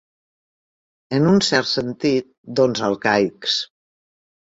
En un cert sentit, dons arcaics.